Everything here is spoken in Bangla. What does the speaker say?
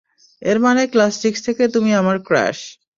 এর মানে ক্লাস সিক্স থেকে তুমি আমার ক্রাশ।